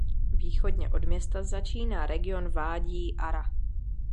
Východně od města začíná region Vádí Ara.